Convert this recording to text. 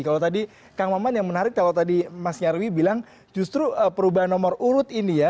kalau tadi kang maman yang menarik kalau tadi mas nyarwi bilang justru perubahan nomor urut ini ya